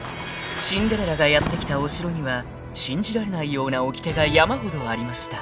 ［シンデレラがやって来たお城には信じられないようなおきてが山ほどありました］